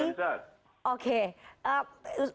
selamat sore mas hensat